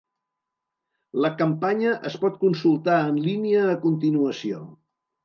La campanya es pot consultar en línia a continuació.